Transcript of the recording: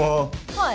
はい。